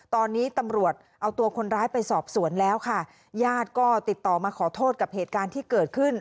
ตอนนี้ตำรวจเอาตัวคนร้ายไปสอบสวนแล้วค่ะญาติก็ติดต่อมาขอโทษกับเหตุการณ์ที่เกิดขึ้น